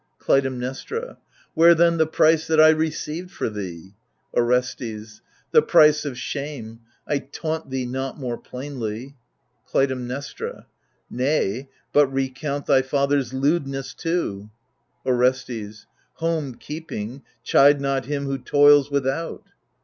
Clytemnestra Where then the price that I received for thee ? Orestes The price of shame ; I taunt thee not more plainly. Clytemnestra Nay, but recount thy father's lewdness too. Orestes Home keeping, chide not him who toils without.